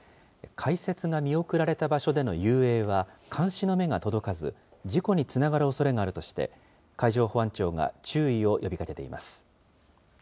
開設が見送られた場所での遊泳は監視の目が届かず、事故につながるおそれがあるとして、海上保安庁が注意を呼びかけています。